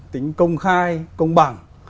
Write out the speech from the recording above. tính công khai công bằng